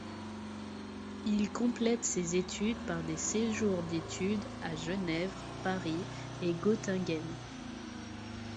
Il complète ses études par des séjours d'études à Genève, Paris et Göttingen.